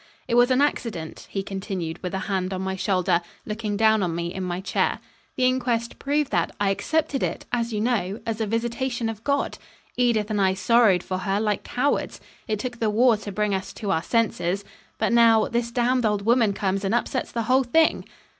It was an accident," he continued, with a hand on my shoulder, looking down on me in my chair. "The inquest proved that. I accepted it, as you know, as a visitation of God. Edith and I sorrowed for her like cowards. It took the war to bring us to our senses. But, now, this damned old woman comes and upsets the whole thing."